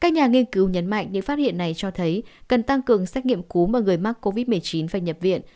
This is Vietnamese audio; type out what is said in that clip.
các nhà nghiên cứu nhấn mạnh những phát hiện này cho thấy cần tăng cường xét nghiệm cúm mà người mắc covid một mươi chín phải nhập viện